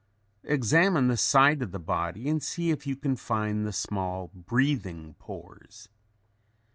Examine the side of the body and see if you can find the small breathing pores.